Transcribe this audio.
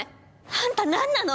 あんた何なの！